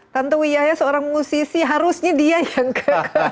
tante wiyah ya seorang musisi harusnya dia yang ke